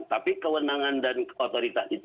tapi kewenangan dan otoritas itu